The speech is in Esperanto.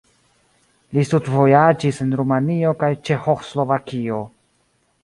Li studvojaĝis en Rumanio kaj Ĉeĥoslovakio.